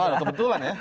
oh kebetulan ya